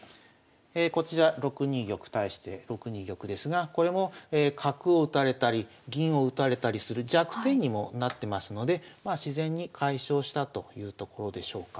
こちら６二玉対して６二玉ですがこれも角を打たれたり銀を打たれたりする弱点にもなってますのでまあ自然に解消したというところでしょうか。